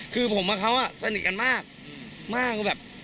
คือผมกับเค้าอ่ะสนิทกันมากมากก็แบบ